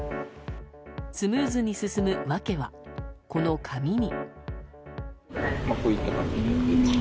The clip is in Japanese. スムーズに進む訳はこの紙に。